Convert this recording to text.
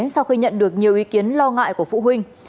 sau khi nhận được nhiều ý kiến lo ngại của phụ huynh